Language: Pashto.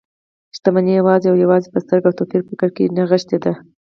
شتمنۍ يوازې او يوازې په ستر او توپيري فکر کې نغښتي ده .